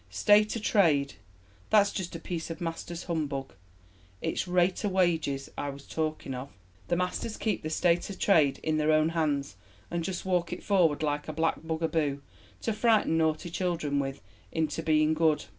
"State o' trade! That's just a piece of masters' humbug. It's rate o' wages I was talking of. Th' masters keep th' state o' trade in their own hands, and just walk it forward like a black bug a boo, to frighten naughty children with into being good.